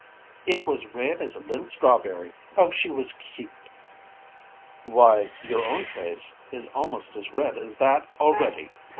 "It was red as a little strawberry. Oh, she was cute!" "Why, your own face is almost as red as that already!